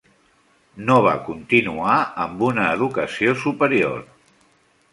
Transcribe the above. No va continuar amb una educació superior.